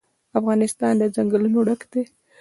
افغانستان له ځنګلونه ډک دی.